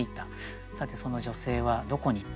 「さてその女性はどこに行ったのか」。